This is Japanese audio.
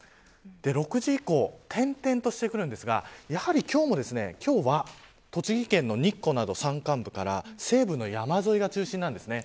６時以降点々としてくるんですがやはり今日は栃木県の日光など山間部から西部の山沿いが中心なんです。